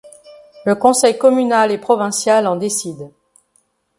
Le conseil communal et provincial en décide.